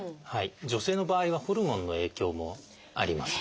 女性の場合はホルモンの影響もあります。